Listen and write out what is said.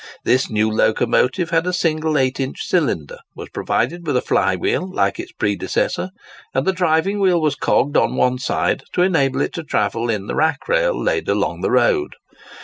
This new locomotive had a single 8 inch cylinder, was provided with a fly wheel like its predecessor, and the driving wheel was cogged on one side to enable it to travel in the rack rail laid along the road.